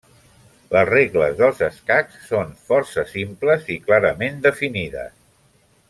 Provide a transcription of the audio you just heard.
Les regles dels escacs són força simples i clarament definides.